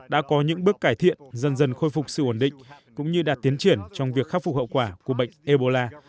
đã có những bước cải thiện dần dần khôi phục sự ổn định cũng như đạt tiến triển trong việc khắc phục hậu quả của bệnh ebola